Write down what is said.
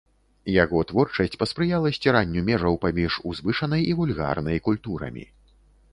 Яго творчасць паспрыяла сціранню межаў паміж узвышанай і вульгарнай культурамі.